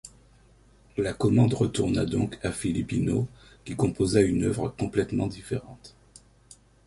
La commande retourna donc à Filippino qui composa une œuvre complètement différente.